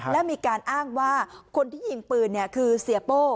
และมีการอ้างว่าคนที่ยิงปืนคือเสียโป้